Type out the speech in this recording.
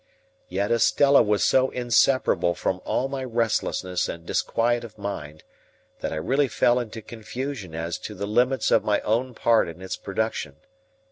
Yet Estella was so inseparable from all my restlessness and disquiet of mind, that I really fell into confusion as to the limits of my own part in its production.